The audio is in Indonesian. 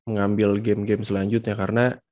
mengambil game game selanjutnya karena